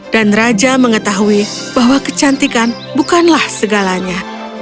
dan raja mengetahui bahwa kecantikan bukanlah segalanya